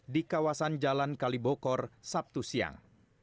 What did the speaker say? di kawasan jalan kalibokor sabtu siang